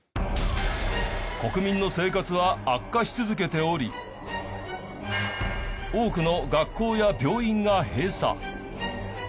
国民の生活は悪化し続けており多くの学校や病院が閉鎖。